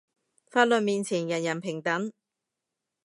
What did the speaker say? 法律面前人人平等